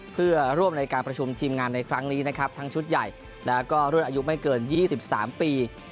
เพื่อร่วมในการประชุมทีมงานในครั้งนี้นะครับทั้งชุดใหญ่แล้วก็รุ่นอายุไม่เกิน๒๓ปี